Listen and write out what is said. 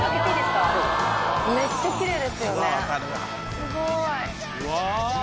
すごい！